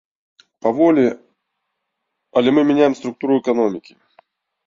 Паволі, але мы мяняем структуру эканомікі.